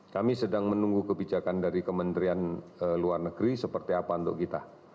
kami sedang menunggu kebijakan dari kementerian luar negeri seperti apa untuk kita